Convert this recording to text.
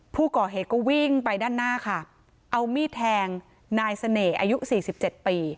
ผู้ก่อเหตุก็วิ่งไปด้านหน้าค่ะเอามีดแทงนายเสน่ห์อายุสี่สิบเจ็ดปี